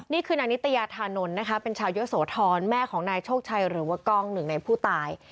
นี่คือนางนิตยาธานนท์นะคะเป็นชาวเยอะโสธรแม่ของนายโชคชัยหรือว่ากล้องหนึ่งในผู้ตาย